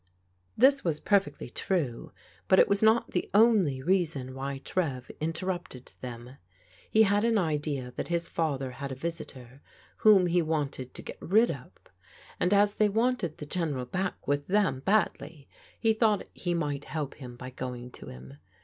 This was perfectly true, but it was not the only reason why Trev interrupted them. He had an idea that his fa ther had a visitor whom he wanted to get rid of, and as they wanted the General back with them badly, he thought he might help him by going to him.